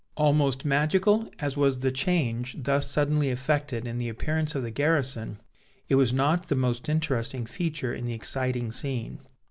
Almost magical as was the change thus suddenly effected in the appearance of the garrison, it was not the most interesting feature in the exciting scene.